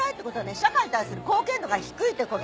社会に対する貢献度が低いってこと。